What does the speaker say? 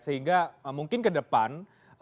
sehingga mungkin ke depan